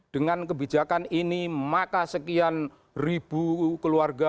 dengan kebijakan ini maka sekian ribu keluarga